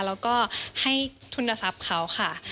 แล้วก็ให้ทุนทรัพย์เขาค่ะ